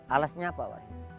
alasannya apa pak rashid